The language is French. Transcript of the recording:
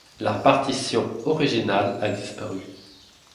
La partition originale a disparu.